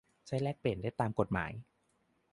ใช้แลกเปลี่ยนได้ตามกฎหมาย